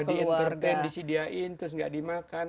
wah itu udah di entertain disediain terus gak dimakan